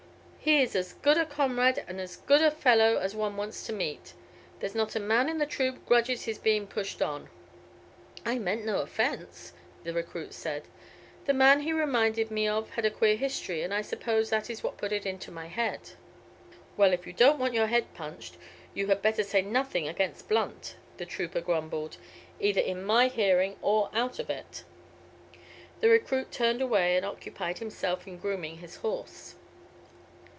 "He is as good a comrade, and as good a fellow as one wants to meet; there's not a man in the troop grudges his being pushed on." "I meant no offence," the recruit said. "The man he reminded me of had a queer history, and I suppose that is what put it into my head." "Well, if you don't want your head punched, you had better say nothing against Blunt," the trooper grumbled, "either in my hearing or out of it." The recruit turned away and occupied himself in grooming his horse.